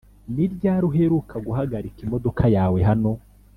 ni ryari uheruka guhagarika imodoka yawe hano?